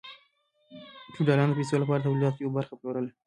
فیوډالانو د پیسو لپاره د تولیداتو یوه برخه پلورله.